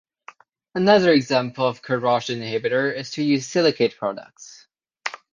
Another example of corrosion inhibitor is to use silicate products.